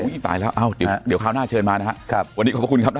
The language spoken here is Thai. อุ้ยตายแล้วเดี๋ยวคราวหน้าเชิญมานะครับ